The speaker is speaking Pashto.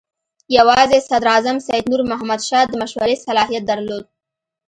یوازې صدراعظم سید نور محمد شاه د مشورې صلاحیت درلود.